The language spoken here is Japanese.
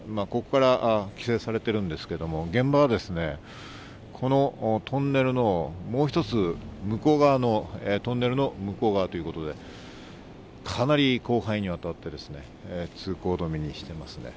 ここから規制されているんですけど現場は、このトンネルのもう一つ向こう側のトンネルの向こう側ということで、かなり広範囲にわたって通行止めにしてます。